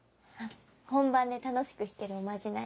本番で楽しく弾けるおまじない。